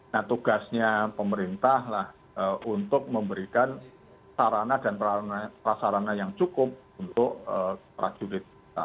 nah tugasnya pemerintah lah untuk memberikan sarana dan prasarana yang cukup untuk prajurit kita